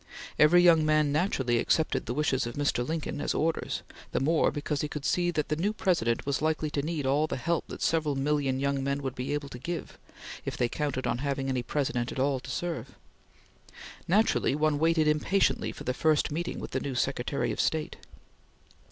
Every young man naturally accepted the wishes of Mr. Lincoln as orders, the more because he could see that the new President was likely to need all the help that several million young men would be able to give, if they counted on having any President at all to serve. Naturally one waited impatiently for the first meeting with the new Secretary of State.